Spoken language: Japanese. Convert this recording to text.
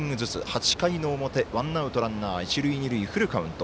８回の表、ワンアウト一塁二塁、フルカウント。